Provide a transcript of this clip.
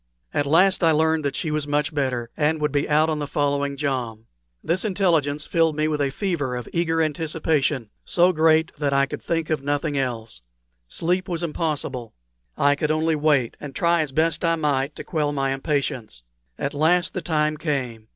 At last I learned that she was much better, and would be out on the following jom. This intelligence filled me with a fever of eager anticipation, so great that I could think of nothing else. Sleep was impossible. I could only wait, and try as best I might to quell my impatience. At last the time came.